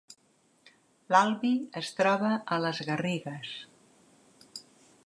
L’Albi es troba a les Garrigues